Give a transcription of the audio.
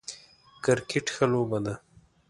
کرکټ ښه لوبه ده